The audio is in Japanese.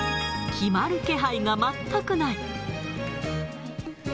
決まる気配が全くない。